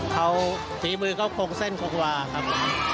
เขาฝีมือเขาคงเส้นคงวาครับ